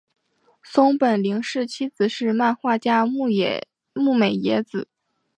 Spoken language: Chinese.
松本零士妻子是漫画家牧美也子。